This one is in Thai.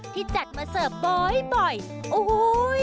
ที่จัดมาเสิร์ฟบ่อยโอ้โห